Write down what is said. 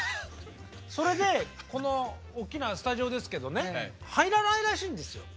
それでこのおっきなスタジオですけどね入らないらしいんですよ。